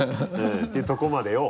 ていうとこまでを。